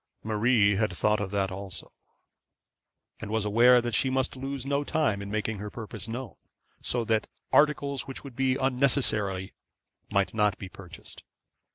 Marie had thought of that also, and was aware that she must lose no time in making her purpose known, so that articles which would be unnecessary might not be purchased.